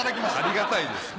ありがたいです。